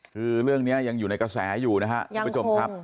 คือเรื่องนี้ยังอยู่ในกระแสอยู่นะครับยังคง